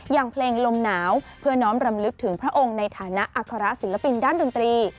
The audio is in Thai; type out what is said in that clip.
อย่างเพลงลมหนาวเพื่อน้อมรำลึกถึงพระองค์ในฐานะอัคระศิลปินด้านดนตรี